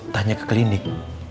tanya ke klinik